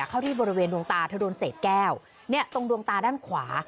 เข้าที่บริเวณดวงตาถ้าโดนเสดแก้วตรงดวงตาด้านขวา